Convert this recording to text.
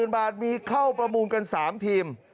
๐บาทมีเข้าประมูลกัน๓ทีม